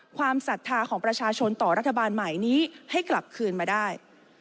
ศรัทธาของประชาชนต่อรัฐบาลใหม่นี้ให้กลับคืนมาได้